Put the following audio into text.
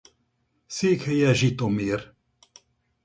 Székhelye Zsitomir.